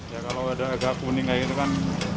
ya kalau ada agak kuning kayak gitu kan